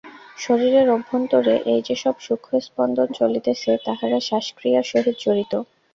শরীরের অভ্যন্তরে এই যে-সব সূক্ষ্ম স্পন্দন চলিতেছে, তাহারা শ্বাস-ক্রিয়ার সহিত জড়িত।